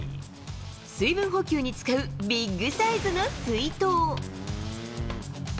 水分補給に使うビッグサイズの水筒。